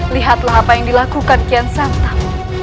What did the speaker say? lihatlah apa yang dilakukan kian santan